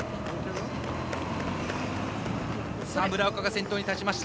村岡、先頭に立ちました。